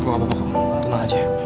gak apa apa kemana aja